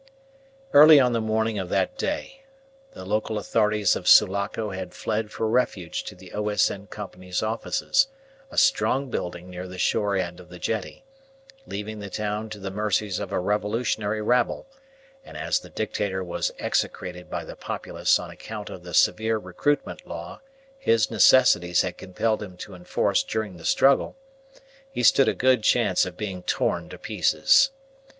Early on the morning of that day the local authorities of Sulaco had fled for refuge to the O.S.N. Company's offices, a strong building near the shore end of the jetty, leaving the town to the mercies of a revolutionary rabble; and as the Dictator was execrated by the populace on account of the severe recruitment law his necessities had compelled him to enforce during the struggle, he stood a good chance of being torn to pieces.